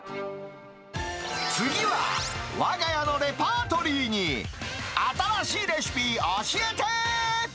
次は、わが家のレパートリーに、新しいレシピ、教えて！